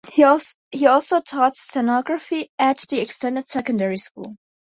He also taught stenography at the Extended Secondary School.